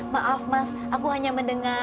maaf mas aku hanya mendengar